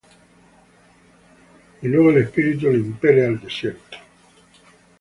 Y luego el Espíritu le impele al desierto.